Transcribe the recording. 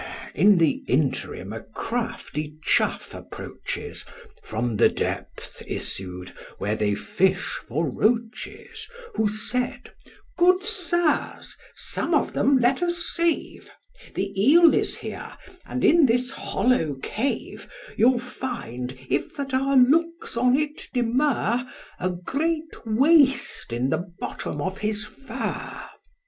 In th' interim a crafty chuff approaches, From the depth issued, where they fish for roaches; Who said, Good sirs, some of them let us save, The eel is here, and in this hollow cave You'll find, if that our looks on it demur, A great waste in the bottom of his fur.